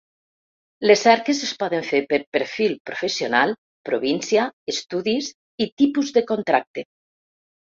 Les cerques es poden fer per perfil professional, província, estudis i tipus de contracte.